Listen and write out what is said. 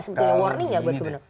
sebetulnya warning nggak